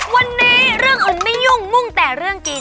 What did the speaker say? วันนี้รื่องอุ่นไม่ยุ่งมุ่งแต่กิน